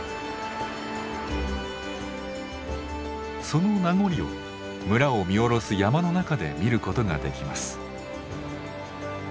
その名残を村を見下ろす山の中で見ることができます。